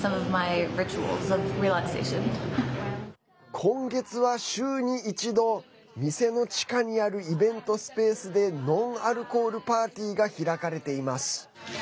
今月は、週に一度店の地下にあるイベントスペースでノンアルコールパーティーが開かれています。